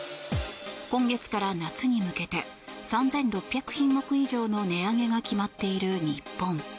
今月から夏に向けて３６００品目以上の値上げが決まっている日本。